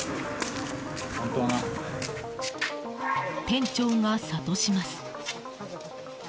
店長が諭します。